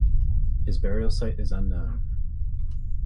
His burial site is unknown.